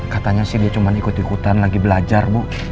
katanya sih dia cuma ikut ikutan lagi belajar bu